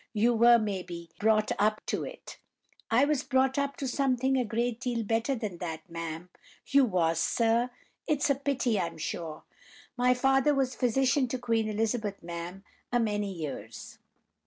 You were, maybe, brought up to it.' "'I was brought up to something a deal better than that, ma'am.' "'You was, sir? It's a pity, I'm sure.' "'My father was physician to Queen Elizabeth, ma'am, a many years.